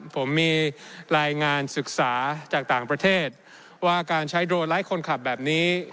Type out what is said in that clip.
ผมมีรายงานศึกษาจากต่างประเทศว่าการใช้โดรนไร้คนขับแบบนี้